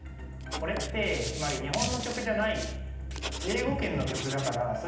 これってつまり日本の曲じゃない。